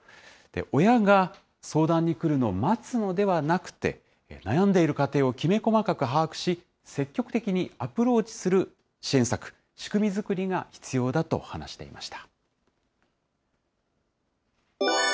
親が相談に来るのを待つのではなくて、悩んでいる家庭をきめ細かく把握し、積極的にアプローチする支援策、仕組み作りが必要だと話していました。